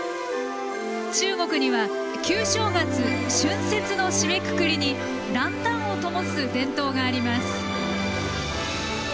中国には旧正月・春節の締めくくりにランタンをともす伝統があります。